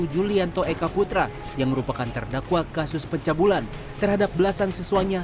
julianto eka putra yang merupakan terdakwa kasus pencabulan terhadap belasan siswanya